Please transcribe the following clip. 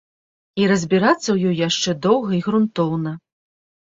І разбірацца ў ёй яшчэ доўга і грунтоўна.